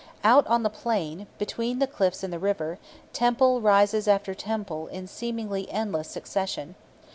Out on the plain, between the cliffs and the river, temple rises after temple in seemingly endless succession.